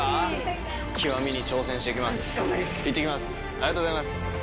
ありがとうございます！